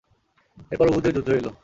এরপর উহুদের যুদ্ধ এল।